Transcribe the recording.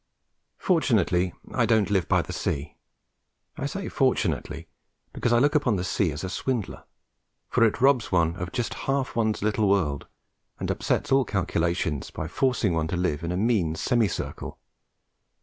Fortunately I don't live by the sea. I say fortunately, because I look upon the sea as a swindler, for it robs one of just half one's little world and upsets all calculations by forcing one to live in a mean semicircle.